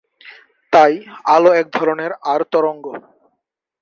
তাই, আলো এক ধরনের আড় তরঙ্গ।